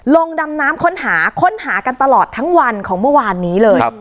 ดำน้ำค้นหาค้นหากันตลอดทั้งวันของเมื่อวานนี้เลย